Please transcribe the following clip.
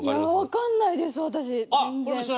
わかんないです私全然。